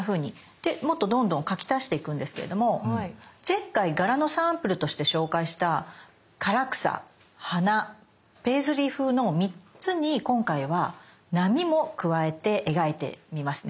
でもっとどんどん描き足していくんですけれども前回柄のサンプルとして紹介した唐草花ペイズリー風の３つに今回は波も加えて描いてみますね。